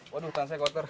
waduh tanah saya kotor